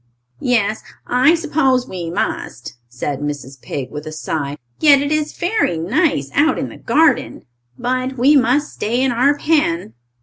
"Yes, I suppose we must," said Mrs. Pig, with a sigh. "Yet it is very nice out in the garden. But we must stay in our pen."